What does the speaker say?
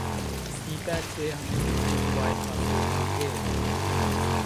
سی pack سے ہمیں کتنے فوائد حاصل ہوں گے